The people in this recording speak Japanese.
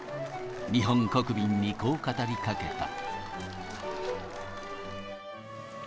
日本国民にこう語りかけた。